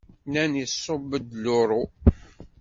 Nnan iṣubb-d luṛu.